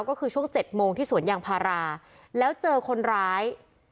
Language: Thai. ก็คือช่วง๗โมงที่สวนยางพาราแล้วเจอคนร้าย